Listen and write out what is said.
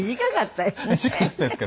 短かったですか？